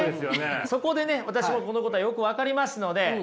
そこでね私もこのことはよく分かりますので今日ね